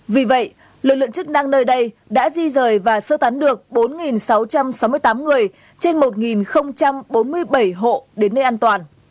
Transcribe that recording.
vì vậy lực lượng chức năng nơi đây đã di rời và sơ tán được bốn sáu trăm sáu mươi tám người trên một bốn mươi bảy hộ đến nơi an toàn